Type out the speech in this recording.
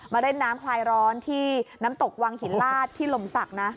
เล่นน้ำคลายร้อนที่น้ำตกวังหินลาดที่ลมศักดิ์นะ